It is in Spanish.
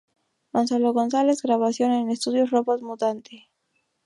Gonzalo González: Grabación en Estudios Robot Mutante.